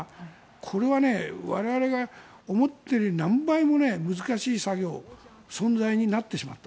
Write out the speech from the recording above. これは我々が思っているよりも何倍も難しい作業存在になってしまった。